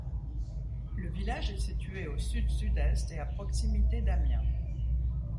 Le village est situé au sud - sud-est et à proximité d'Amiens.